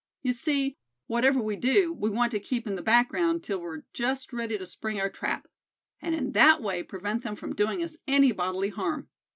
You see, whatever we do, we want to keep in the background till we're just ready to spring our trap; and in that way prevent them from doing us any bodily harm.